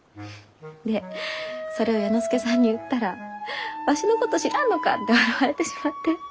でそれを弥之助さんに言ったらわしのこと知らんのかって笑われてしまって。